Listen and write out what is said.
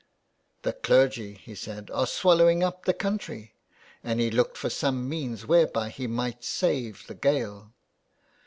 " The clergy," he said, " are swallowing up the country," and he looked for some means whereby he might save the Gael.